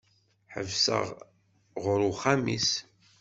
Ḥebseɣ ɣur uxxam-is.